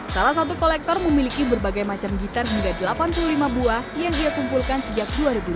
salah satu kolektor memiliki berbagai macam gitar hingga delapan puluh lima buah yang dia kumpulkan sejak dua ribu lima